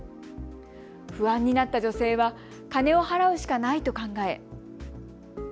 不安になった女性は金を払うしかないと考え。